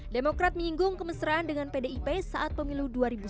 demokrat menyinggung kemesraan dengan pdip saat pemilu dua ribu sembilan belas